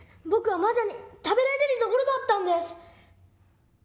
僕は魔女に食べられるところだったんです！